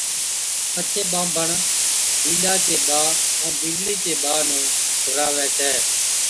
پڇي ٻانڀڻ بِينڏا چي ٻا ائُون بِينڏڙِي چي ٻا نُون گھُراوي ڇَي